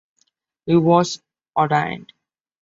He was ordained.